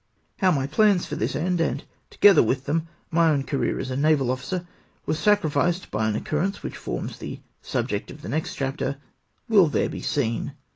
How my plans for this end, and together with them, my own career as a naval officer, were sacrificed by an occurrence which forms the subject of the next chap ters, will there be seen.